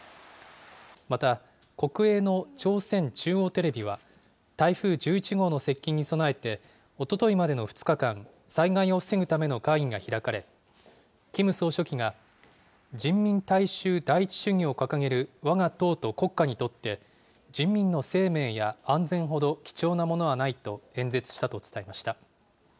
また、国営の朝鮮中央テレビは、台風１１号の接近に備えて、おとといまでの２日間、災害を防ぐための会議が開かれ、キム総書記が、人民大衆第一主義を掲げるわが党と国家にとって、人民の生命や安全ほど貴重なものはないと演説したと伝えました。